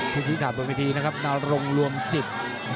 ที่ที่ถาดตัวพิธีนะครับนารงรวมจิต